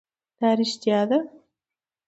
دا رښتیا ده